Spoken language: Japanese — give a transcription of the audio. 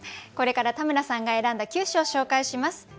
これから田村さんが選んだ九首を紹介します。